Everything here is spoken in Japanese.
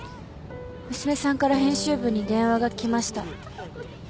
娘さんから編集部に電話が来ました。